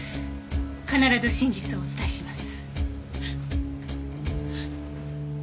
必ず真実をお伝えします。